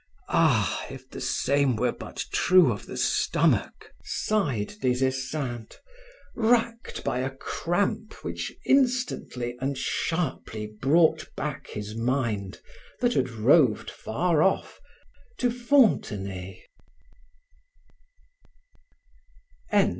"Ah! if the same were but true of the stomach," sighed Des Esseintes, racked by a cramp which instantly and sharply brought back his mind, that had roved far off, to Fontenay.